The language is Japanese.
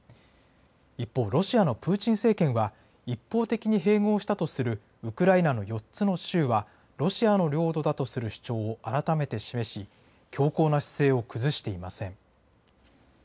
一方、ロシアのプーチン政権は、一方的に併合したとするウクライナの４つの州は、ロシアの領土だとする主張を改めて示し、強硬な姿勢を崩していません。